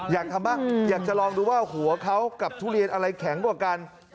อยากจะลองดูว่าหัวกับทุเรียนอะไรแข็งกว่ากัน